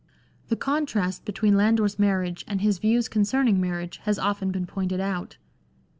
The contrast between Lander's marriage and his views con cerning marriage has often been pointed out.